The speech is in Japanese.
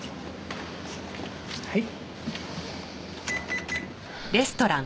はい。